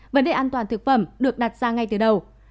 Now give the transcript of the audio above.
vấn đề an toàn thực phẩm được đặt ra ngay từ đầu